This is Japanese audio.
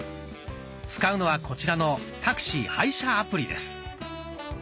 使うのはこちらの「タクシー配車アプリ」です。